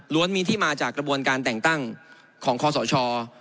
มีที่มาจากกระบวนการแต่งตั้งของคอสช